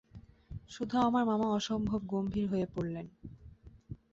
শুধু আমার মামা অসম্ভব গম্ভীর হয়ে পড়লেন।